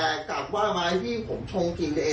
ผมเสียใจว่าพี่วันเกิดผม